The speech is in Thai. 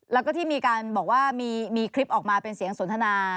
แล้วก็ที่มีการบอกว่ามีคลิปออกมาเป็นเสียงสนทนา